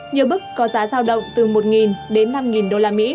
nhiều bức có giá giao động từ một đến năm usd